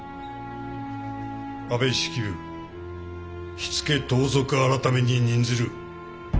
安部式部火付盗賊改に任ずる。